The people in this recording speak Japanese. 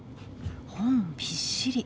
本びっしり！